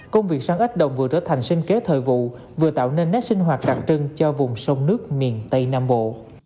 công việc săn ếch đồng vừa trở thành sinh kế thời vụ vừa tạo nên nét sinh hoạt đặc trưng cho vùng sông nước miền tây nam bộ